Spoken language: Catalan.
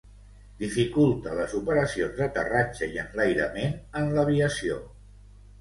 Dificulta les operacions d'aterratge i enlairament en l'aviació.